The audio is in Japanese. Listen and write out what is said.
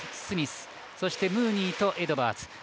スミス、そしてムーニーとエドワーズ。